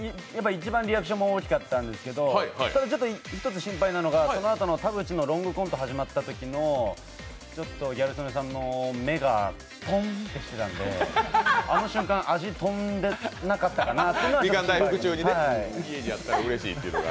一番リアクションも大きかったんですけどただちょっと１つ心配なのが、そのあとの田渕のロングコント始まったときのちょっとギャル曽根さんの目がポンとしてたので、あの瞬間、味、飛んでなかったのかなと。